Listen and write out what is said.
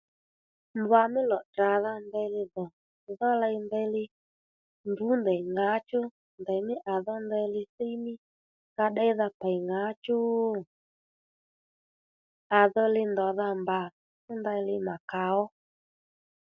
Mbwa mí lò tdrǎdha ndeyli dhò ndeyli mbǔ ndèy ŋǎchú ndèymí à dho ndèyli thíy mí nga ddéydha pèy ŋǎchú? À dho li ndòdha mbà fú ndeyli mà kàó